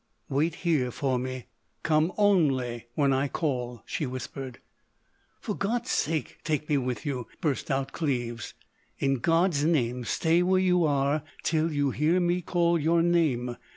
"Wait here for me. Come only when I call," she whispered. "For God's sake take me with you," burst out Cleves. "In God's name stay where you are till you hear me call your name!"